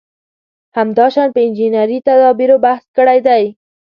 همداشان په انجنیري تدابېرو بحث کړی دی.